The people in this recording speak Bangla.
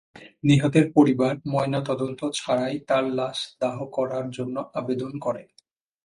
নিহতের পরিবার ময়নাতদন্ত ছাড়াই তাঁর লাশ দাহ করার জন্য আবেদন করে।